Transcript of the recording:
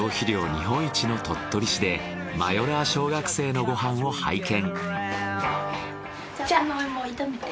日本一の鳥取市でマヨラー小学生のご飯を拝見。